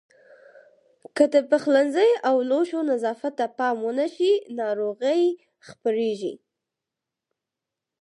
که د پخلنځي او لوښو نظافت ته پام ونه شي ناروغۍ خپرېږي.